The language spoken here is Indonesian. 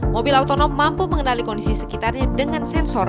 mobil otonom mampu mengendali kondisi sekitarnya dengan sensor